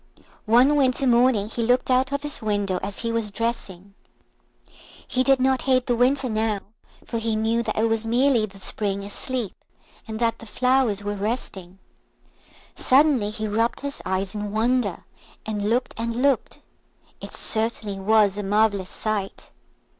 One winter morning he looked out of his window as he was dressing. He did not hate the Winter now, for he knew that it was merely the Spring asleep, and that the flowers were resting. Suddenly he rubbed his eyes in wonder, and looked and looked. It certainly was a marvellous sight.